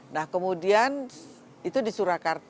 nah kemudian itu disurahkan